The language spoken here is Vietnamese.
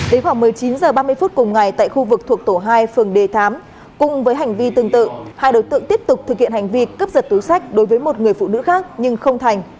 đến khoảng một mươi chín h ba mươi phút cùng ngày tại khu vực thuộc tổ hai phường đề thám cùng với hành vi tương tự hai đối tượng tiếp tục thực hiện hành vi cướp giật túi sách đối với một người phụ nữ khác nhưng không thành